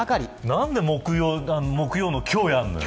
なんで木曜日の今日やるのよ。